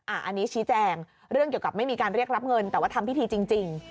อันนี้ชี้แจงเรื่องเกี่ยวกับไม่มีการเรียกรับเงินแต่ว่าทำพิธีจริง